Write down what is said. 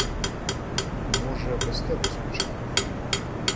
І, може, без тебе скучає.